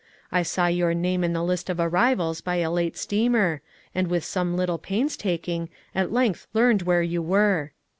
"I saw your name in the list of arrivals by a late steamer, and with some little painstaking, at length learned where you were."